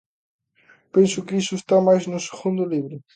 Penso que iso está máis no segundo libro.